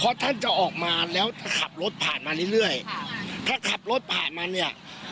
เพราะท่านจะออกมาแล้วขับรถผ่านมาเรื่อยเรื่อยค่ะถ้าขับรถผ่านมาเนี่ย